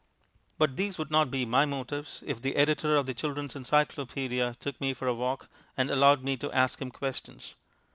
But these would not be my motives if the editor of The Children's Encyclopaedia took me for a walk and allowed me to ask him questions.